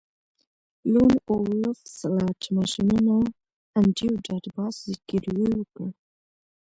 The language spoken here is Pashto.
لون وولف سلاټ ماشینونه انډریو ډاټ باس زګیروی وکړ